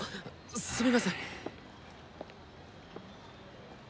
すみません！